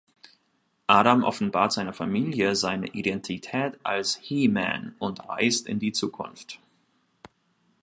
Adam offenbart seiner Familie seine Identität als He-Man und reist in die Zukunft.